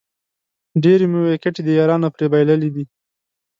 ډېرې مو وېکټې د یارانو پرې بایللې دي